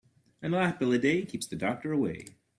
An apple a day keeps the doctor away.